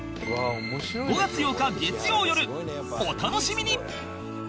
５月８日月曜よるお楽しみに！